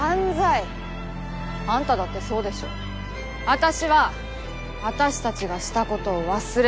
私は私たちがした事を忘れない。